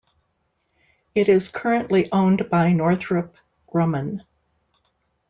It is currently owned by Northrop Grumman.